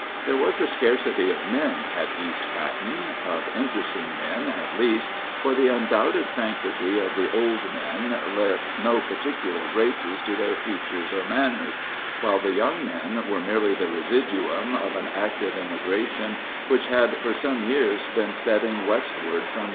There was a scarcity of men at East Patten of interesting men, at least, for the undoubted sanctity of the old men lent no special graces to their features or manners; while the young men were merely the residuum of an active emigration which had for some years been setting westward from East Patten.